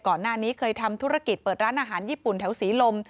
ก่อนหน้านี้เคยทำธุรกิจเปิดร้านอาหารญี่ปุ่นแถวศรีลม